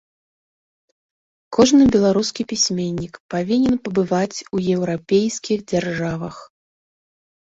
Кожны беларускі пісьменнік павінен пабываць у еўрапейскіх дзяржавах.